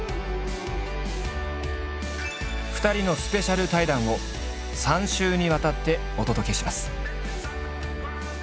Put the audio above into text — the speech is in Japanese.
２人のスペシャル対談を３週にわたってお届けします。